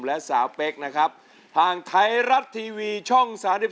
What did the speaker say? ใครร้องเพลงครบ๑๐เพลงถูกต้องทั้งหมด